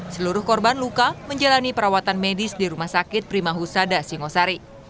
seluruh korban luka menjalani perawatan medis di rumah sakit prima husada singosari